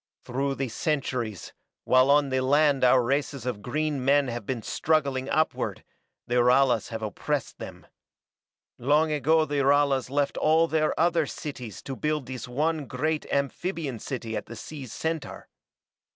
"Through the centuries, while on the land our races of green men have been struggling upward, the Ralas have oppressed them. Long ago the Ralas left all their other cities to build this one great amphibian city at the sea's center.